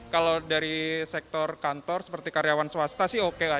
kalau dari sektor kantor seperti karyawan swasta sih oke lah